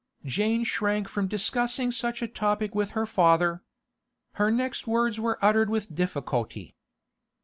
Jane shrank from discussing such a topic with her father. Her next words were uttered with difficulty.